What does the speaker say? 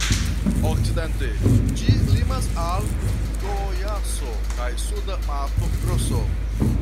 Okcidente ĝi limas al Gojaso kaj Suda Mato-Groso.